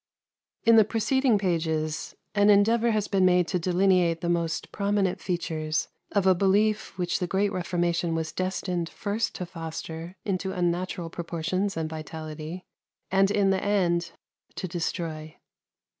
In the preceding pages an endeavour has been made to delineate the most prominent features of a belief which the great Reformation was destined first to foster into unnatural proportions and vitality, and in the end to destroy.